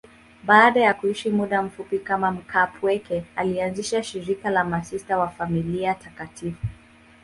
Baada ya kuishi muda mfupi kama mkaapweke, alianzisha shirika la Masista wa Familia Takatifu.